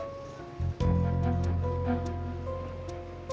ya udah kita ke kantin